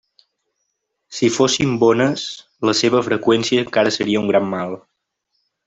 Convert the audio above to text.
Si fossin bones, la seva freqüència encara seria un gran mal.